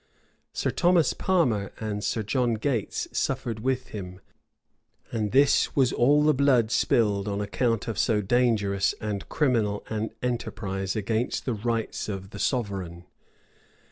[] Sir Thomas Palmer and Sir John Gates suffered with him; and this was all the blood spilled on account of so dangerous and criminal an enterprise against the rights of the sovereign.